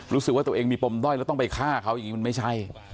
รู้สึกว่าตัวเองมีปมด้อยแล้วต้องไปฆ่าเขาอย่างนี้มันไม่ใช่